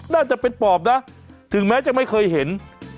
น่าจะเป็นปอบนะถึงแม้จะไม่เคยเห็น